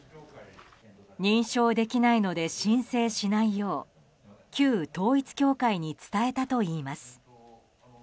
認証できないので申請しないよう旧統一教会に伝えたといいます。